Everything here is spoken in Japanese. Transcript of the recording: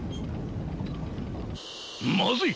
まずい！